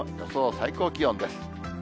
最高気温です。